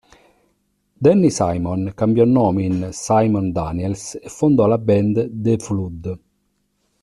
Danny Simon cambiò nome in Simon Daniels e fondò la band The Flood.